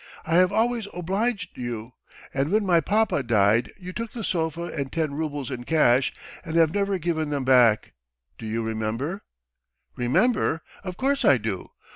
... I have always obliged you, and when my papa died you took the sofa and ten roubles in cash and have never given them back. Do you remember?" "Remember! of course I do.